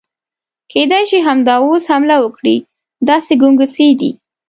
کېدای شي همدا اوس حمله وکړي، داسې ګنګوسې دي.